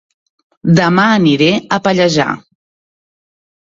Dema aniré a Pallejà